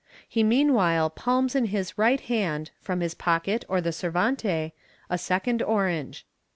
He meanwhile palms in his right hand, from his pocket or the servante, a second orange.